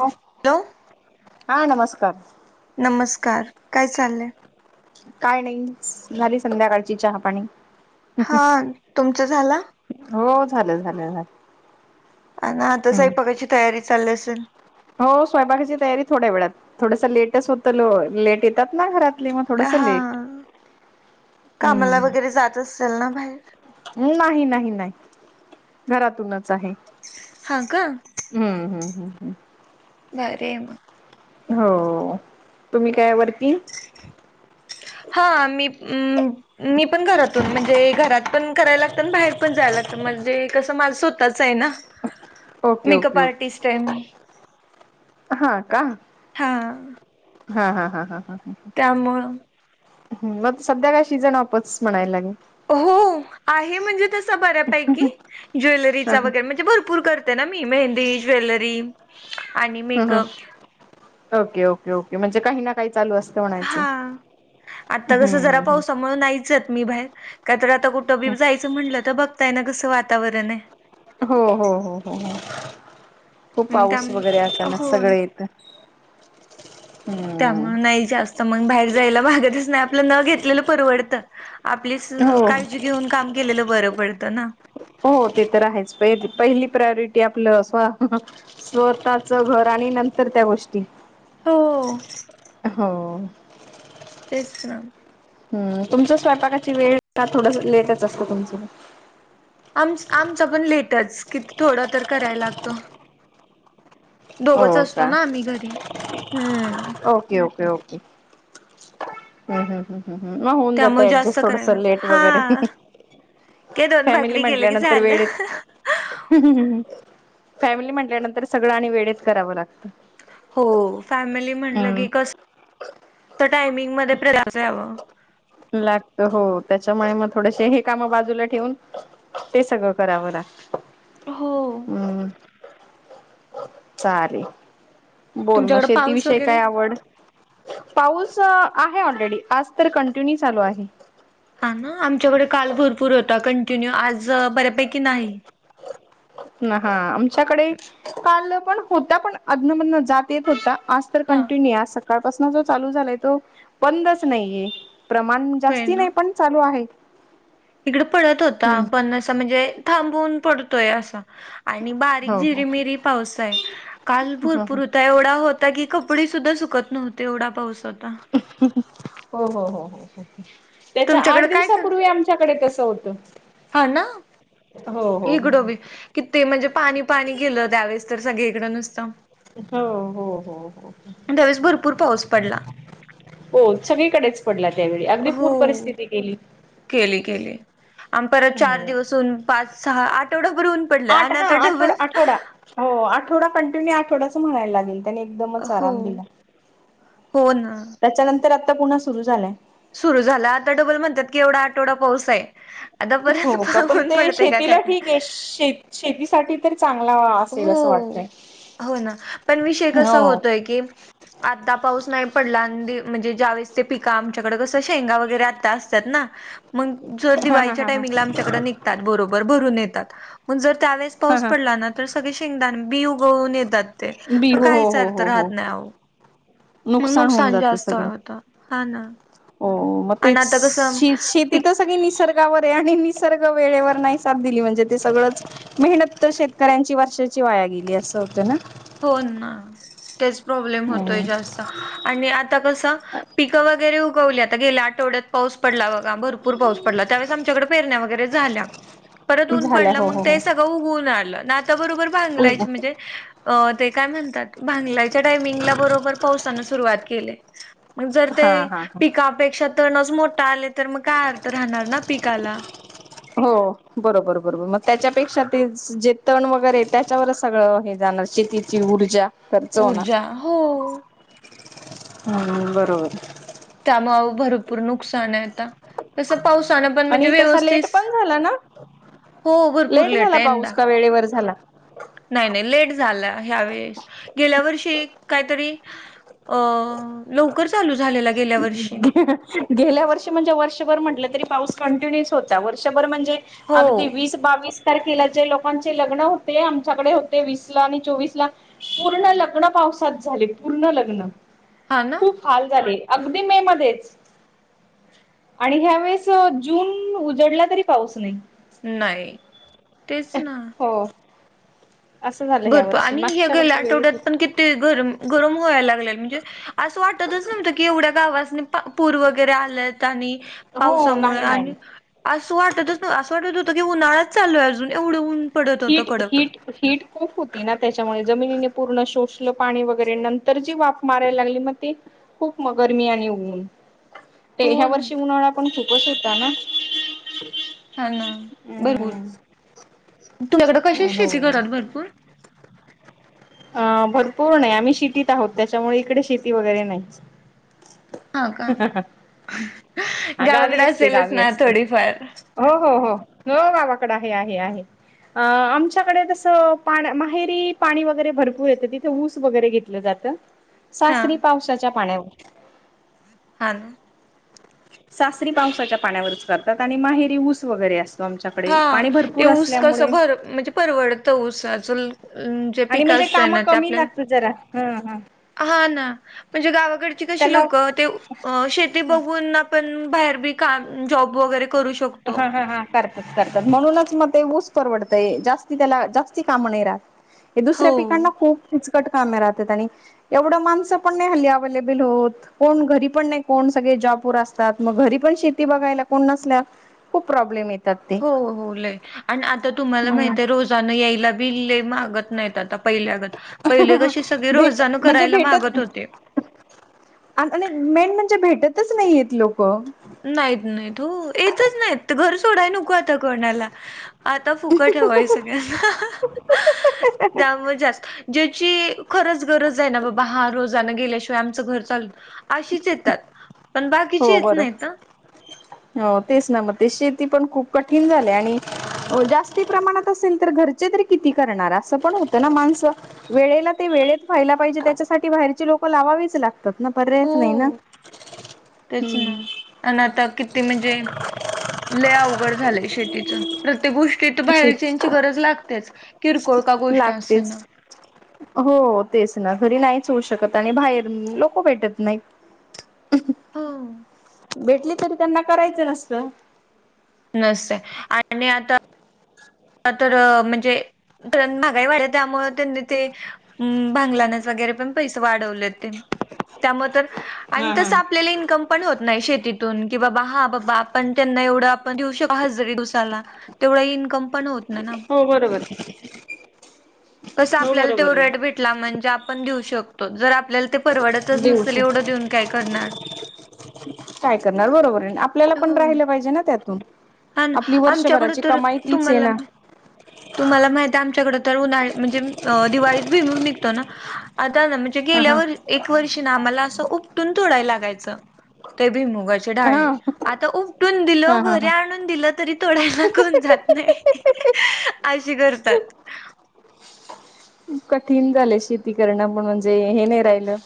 Hello हा नमस्कार नमस्कार काय चाललंय काय नाही झाली संध्याकाळची चहा पाणी हा तुमचं झाला हो झालं झालं झालं अन आता स्वयपाकाची तयारी चालली असल हो स्वयंपाकाची तयारी थोड्या वेळात थोडंसं लेटच होतं ल लेट येतात ना घरात हा कामाला हम्म वगैरे जात असत्याल ना बाहेर नाही नाही नाही घरातूनच आहे हां का? हम्म हम्म हम् हम्म भारी आहे मग हो तुम्ही कायवरती हा मीम मी पण घरातून, म्हणजे घरात पण करायला लागत आणि बाहेर पण जायला लागत म्हणजे, कसं माझ स्वतःच आहे ना ओके मेकअप ओके आर्टिस्ट आहे मी हां का हां हा हा हा हा हां त्यामुळं मग सध्या काय सीजन ऑफच म्हणायला लागेल हो आहे म्हणजे तस बऱ्यापैकी, ज्वेलरीचा वगैरे हा म्हणजे भरपूर कर ते ना मी मेहंदी, ज्वेलरी, आणि हम्म मेकअप हम्म ओके ओके ओके म्हणजे काही ना काही चालू असत. हां आता कस जरा हम्म पाऊसा हम्म मुळ नाहीच जात मी बाहेर, का तर आता कुठं बी जायचं म्हटलं, तर बघताय ना कसं वातावरण आहे. हो हो हो हो हो. खूप मग त्या पाऊस वगैरे अचानक हो सगळ ना येत हम्म. मंग बाहेर जायला भागतच नाही. आपलं न घेतलेलं परवडत. आपलीच हो काळजी घेऊन काम केलेलं बरं पडतं ना? हो ते तर आहेच, पहिली प्रायोरिटी आपलं स्वा हं हं स्वतःच घर आणि नंतर त्या गोष्टी हो हो तेच ना हम्म तुमच स्वयंपाकाची वेळ का थोडं लेटच असतं तुमचं? आमचा आमचा पण लेटच किती थोडा तर करायला लागतो दोघच हो असतो का? ना आम्ही घरी, हम्म ओके ओके ओके. हम्म हम्म हम्म. हम्म मग होऊन त्यामुळे जातं जास्त ऍडजस्ट थोडस करायला लेट वगैरे ही हा ही काय दोन फॅमिली भाकरी केलं की म्हटल्यानंतर झालं वेळेत हम्म हम्म हम्म फॅमिली म्हंटल्यानंतर सगळं आणि वेळत करावं लागतं. हो फॅमिली म्हटलं हम्म की कस, त्या टायमिंग मध्ये प्र [unintelligible] यावं. लागत हो त्याच्यामुळे मग थोडसे हे काम बाजूला ठेवून ते सगळं कराव लागतं. हो. हम्म. चालेल, बोल मग तुमच्याकडे पाऊस शेतीविषयी वगैरे? काय आवड? पाऊस आहे ऑलरेडी आज तर कंटिन्यू चालू आहे. हां ना? आमच्याकडे काल भरपूर होता कंटिन्यू, आज बऱ्यापैकी नाही. ह हा आमच्याकडे कालपण होता पण आधणमधन जात येत होता आज तर हा. कंटिन्यू आहे, आज स सकाळपासून जो चालू झालाय तो बंदच नाहीय प्रमाण होय जास्ती नाही, पण चालू आहे. हिकडं पडत होता हम्म पण अस म्हणजे थांबवून पडतोय असा आणि बारीक हो हो झिरीमिरी पाऊस आहे काल हो भरपूर हो होता एवढा होत आता की कपडे सुद्धा सुकत नव्हते एवढा पाऊस होता हो हो हो हो हो हो. त्याच्या तुमच्याकडे आठ काय कर दिवसापूर्वी आमच्याकडे तसं होतं. हा ना. हो हो हो. इकडं किती म्हणजे पाणी पाणी केेलं त्यावेळेस तर सगळीकडं नुसतं. हो हो हो हो त्यावेळेस भरपूर पाऊस पडला हो सगळीकडेच पडला त्यावेळी, अगदी पूर हो. परिस्थिती केली. आणि परत चार दिवसून पाच सहा आठ आठ हां आठवड आठवडा हो आठवडा कंटिन्यू आठवडाच म्हणायला लागेल. त्याने एकदमच हो आराम दिला. हो ना. त्याच्यानंतर आता पुन्हा सुरू झालंय. सुरू झाला आता डोबल म्हणतात की एवढा आठवडा पाऊस आहे. आता हो परत का पण ऊन ते पडतय का शेतीला काय काय ठीक आहे श शेतीसाठी तर चांगला असेल असं हो वाटतंय. हो ना पण विषय कसा हो. होतोय की आता पाऊस नाही पडला आणि म्हणजे ज्यावेळेस ते पिका आमच्याकडे कसं शेंगा वगैरे आता ना मग जर हा हा दिवाळीच्या हा हा टायमिंगला आमच्याकड निघतात बरोबर भरून येतात मग जर त्यावेळेस हा पाऊस हा पडला ना तर सगळे शेंगदा बि गळून येतात. ते. बी मग हो हो काहीच हो अर्थ हो हो राहत नाही आओ. मग नुकसान जास्त [unintelligible] होत. हा ना ओ म आणि तेच आता कसं शी शीत पिक तिथं सगळी निसर्गावर ये आणि निसर्ग वेळेवर नाही सात दिली म्हणजे ते सगळंच मेहनत तर शेतकऱ्यांची वर्षाची वाया गेली असं होतं ना? हो ना. तेच प्रॉब्लेम होतोय हम्म जास्त आणि आता कसं पिकं वगैरे उगवली आता गेल्या आट आठवड्यात पाऊस पडला बघा. भरपूर पाऊस पडला त्यावेळेस आमच्याकडडे पेरण्या वगैरे झाल्या. परत ऊन झाल्या पडलं हो मग हो ते सगळं उगून आलं न आता बरोबर हो भांगलायच म्हणजे अ ते काय म्हणतात भांगलाच्या टायमिंगला बरोबर पावसान सुरुवात केलय. मग जर ते हा हा हा पिकापेक्षा तणच मोठे आले तर मग काय अर्थ राहणार ना पिकाला? हो बरोबर-बरोबर, मग त्याच्यापेक्षा ते जे तण वगैरे त्याच्यावरच सगळं हे जाणार शेती ची ऊर्जा खर्च होणार. ऊर्जा हो हम् बरोबर. त्यामळ भरपूर नुकसान आहे आता. कसं पावसानं पण म्हणजे आणि तसा लेट व्यवस्थिस पण झाला ना हो. भरपूर लेट झाला आहे पाऊस यंदा का वेळेवर झाला नाय-नाई लेट झाला ह्यावेेळेस. गेल्या वर्षी काहीतरी अ लवकर चालू झालेला गेल्या वर्षी [unintelligible] गेल्या वर्षी म्हणजे वर्षभर म्हंटलं तरी पाऊस कंटिन्युस होता. वर्षभर म्हणजे हो अगदी वीस, बावीस तारखेला जे लोकांचे लग्न होते. आमच्याकडे होते वीस ला आणि चोवीस ला पूर्ण लग्न पावसात झाले. पूर्ण लग्न हा. खूप हाल झाले. अगदी मे मध्येच आणि ह्या वेळेस जून उजडला तरी पाऊस नाही. नाइ. तेच ना हो असं झालं ह्या भरप वर्षी आणि हे मागच्या गलं वर्षी आठवड्यात वेळेत पण कित ते गरम-गरम व्हाय लागलेल. म्हणजे असं वाटतच नव्हतं की एवढ्या गावास पा पूर वगैरे आलेत आणि हो पावसामुळ नाही नाही आणि असं वाटतच नव असं वाटत होतं की उन्हाळाच चालू आहे अजून एवढं उन हिट-हिट-हिट खूप होती ना. त्याच्यामुळे जमिनीने पूर्ण शोषलं पाणी वगैरे नंतर जी वाफ मारायला लागली मग ती खूप म गरमी आणि ऊन. ते ह्या हो वर्षी उन्हाळा पण खूपच होता ना? हा ना? भरपूर. हम्म हो. हो. [unintelligible] भरपूर आ भरपूर नाही आम्ही शितीत आहोत, त्याच्यामुळे इकडे शेती वगैरे नाही. हा का? हा गावी गावाकडे असते असेलच गावी ना असते थोडीफार? हो हो हो. गावाकडे आहे-आहे-आहे. आमच्याकडे तस माहेरी पाणी वगैरे भरपूर येत तिथे ऊस वगैरे घेतलं जात. हा सासरी पावसाच्या पाण्यावर हा [unintelligible] सासरी पावसाच्या पाण्यावरच करतात आणि माहेरी ऊस वगैरे असत हा. ते ऊस कसा भर म्हणजे परवडतं ऊसाच आणि म्हणजे काम कमी लागत जरा. ह-ह. हा ना? म्हणजे गावाकडची कशी त्याला लोक ते शेती उ बघून पण बाहेर बी काम जॉब वगैरे करू शकतो. हा-ह-हा करतात-करतात म्हणूनच मग ते ऊस परवडतंय. जास्ती त्याला जास्ती काम नाही राहत. हे हो दुसऱ्या पिकांना खूप कीचकट कामे राहतात आणि एवढं माणसं पण नाही हल्ली अवेलेबल होत. कोण घरी पण नाही. कोण सगळे जॉब वर, मग घरी पण शेती बघायला कोण नसल्या खू प्रॉब्लेमेत हो हो ल आणि आता तुम्हाला हम्म माहित आहे रोजान यायला बि लले मागत नाहीत आता पहिल्यागत, पहिले कशी सगळी भेट रोजान म्हणजे करायला भेटत मागत होते. आणि मेन म्हणजे भेटतच नाही येत लोक. नाहीत नाहीत हो येतच नाहीत घर सोडाय नको आता कोणाला आता फुकंट हवाय सगळ्यांना त्यामुळे जास्त, ज्याची खरंच गरज आहे ना बाबा, हा रोजान गेल्याशिवाय आमचं घर चालत नाही अशीच येतात. पण बाकीची हो येत बरं नाहीत हा हो तेच ना मग ते शेती पण खूप कठीण झाले आणि जास्ती प्रमाणात असेल तर घर चे तरी किती करणार असं पण होतं ना माणसं वेळेला ते वेळेत व्हायला पाहिजे, त्याच्यासाठी बाहेरचे लोक लावावीच लाग तात ना पर्यायच नाही ना हो. तेच हम्म ना आणि आता किती म्हणजे ले अवघड झालंय शेतीच प्रत्येक गोष्टी तर बाहेरच्या शेत ची गरज लागतेच किरकोळ का गोष्ट लागतेच. असेना. हो तेच ना घरी नाहीच होऊ शकत आणि बाहेर लोक भेटत नाहीत. हो भेटली तरी त्यांना करायचं नसतं नसतय आणि आता तर म्हणजे कारण, महागाई वाढली त्यामुळ त्यांनी ते हम्म भांगलानीच वगैरे पण पैसे वाढवले ते त्यामुळे तर आणि हा हा तसं आपल्याला इन्कम पण होत नाही शेतीतून, की बाबा हा बाबा आपण त्यांना एवढं आपणऊ शको ह दिवसाला तेवढा इन् हो बरोबर कसं हो आपल्याला ते बरोबर रेट आहे भेटला म्हणजे आपण देऊ शकतो जर आपल्याला ते परवाडतच नसेल देऊशी एवढं देऊन काय करणार? काय करणार बरोबर आहे. आपल्याला पण हो राहिलं पाहिजे ना त्यातून हा ना आपली आमच्याकडे वर्षभराची तर कमाई तीच आहे तुम्हाला ना. तुम्हाला माहित आहे आमच्याकडे तर उन्हाळ म्हणजे दिवाळीत बी म निघतो ना आता गे हा हा एक वर्षी आला अस उपटून तोडाय लागायच, ते भुईमूग हा डहाळे आता उपटुन दिलो हा हा घरी हा आणून दिलं तरी तोडायला कोण जात नाही अशी करतात. कठीण झाले शेती करणं पण म्हणजे हे नाही राहिलं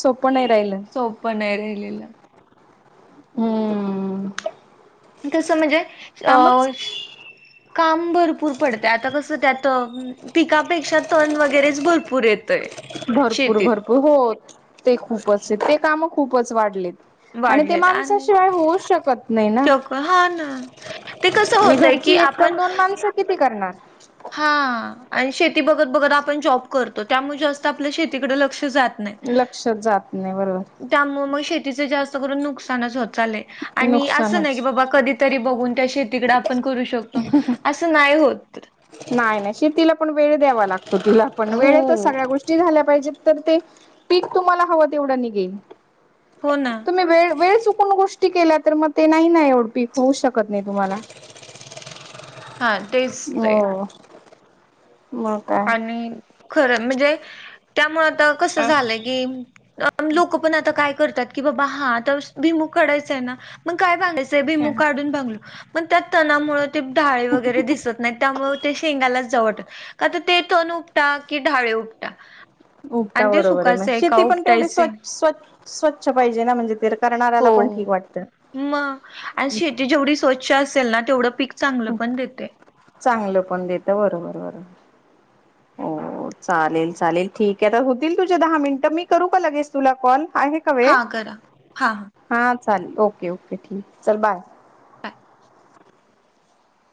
सोपं नाही राहिलं. सोप नाही राहिलेलं हम्म कसं म्हणजे अ कामच काम भरपूर पडतय, आता कसं त्यात पिकापेक्षा तण वगैरेच भरपूर येतय. भरपूर शेतीत भरपूर हो ते खूपच, ते काम खूपच वाढलेत आणि ते वाढलेत आणि माणसाशिवाय होऊ शकत नाही ना. शक हा ना ते कसं आणि होतय की घरची एक - आपण दोन माणसं किती करणार? हा आणि शेती बघत बघत आपण जॉब करतो, त्यामुळे जास्त आपल्या शेतीकडे लक्ष जात नाही. लक्ष जात नाही बरोबर त्यामुळे मग शेतीच जास्त करून नुकसानच होत चालय आणि असं नाही की नुकसानच बाबा कधी तरी बघून त्या शेतीकडे आपण करू शकतो, असं नाही होत. नाही नाही शेतीला पण वेळ द्यावा लागतो तिला पण वेळेतच हो सगळ्या गोष्टी टी झाल्या पाहिजेत, तर ते पीक तुम्हाला हवं तेवढं निघेल. हो ना तुम्ही वेळ वेळ चुकून गोष्टी केल्या तर मग ते नाही ना एवढपीक होऊ शकत नाही तुम्हाला हा तेच ते हो मग काय. आणि खरं म्हणजे त्यामुळे आता कस झालंय की लोक पण आता काय करतात की बाबा हा आता भु ई मूग काढायचाय ना मग काय बांगायचं ते भुईमूग काढून बांगलो मग त्या तणामुळे ते ढाळी वगैरे दिसत नाही त्यामुळे ते शेंगायलाच जाऊ वाटत नाही काता ते तण उपटा कि ढाळे उपटा उपटा आणि ते बरोबर आहे म सुकायचंय का शेती पण तेवढे स्वच उपटायचंय स्व स्वच्छ पाहिजे ना म्हणजे ते करणाऱ्याला हो पण ठीक वाटतं. मग आणि शेती जेवढी स्वच्छ ् असेल ना तेवढं पीक चांगलं पण देते चांगलं पण देत बरोबर बरोबर हो चालेल चालेल ठीक आहे तर होतील तुझ्या दहा मिनिट मी करू का लगेच तुला कॉल आहे हां करा हा हां हां चालेल ओके ओके ठीक चल बाय